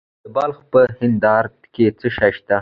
د بلخ په دهدادي کې څه شی شته؟